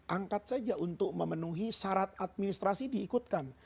angkat saja untuk memenuhi syarat administrasi diikutkan